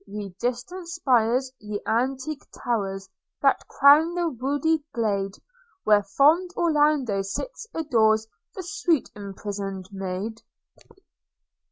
'Ye distant spires, ye antique towers That crown the woody glade, Where fond Orlando still adores The sweet imprison'd maid!'